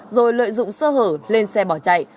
rồi lợi dụng sơ hở lên xe bỏ chạy